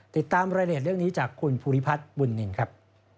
ติดตามรายละเอียดเรื่องนี้จากคุณภูริพัฒน์บุญนินครับ